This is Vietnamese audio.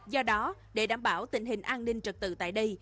do đó để đảm bảo tình hình an ninh trật tự tại đây